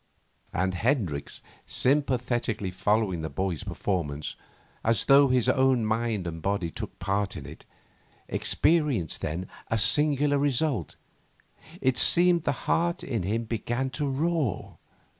And Hendricks, sympathetically following the boy's performance as though his own mind and body took part in it, experienced then a singular result: it seemed the heart in him began to roar.